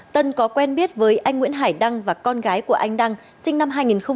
tân có quen biết với anh nguyễn hải đăng và con gái của anh đăng sinh năm hai nghìn một mươi